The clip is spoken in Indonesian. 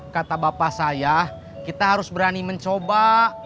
kata bapak saya kita harus berani mencoba